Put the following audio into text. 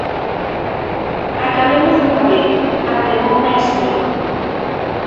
_Acabemos dunha vez _apremoume a señora_.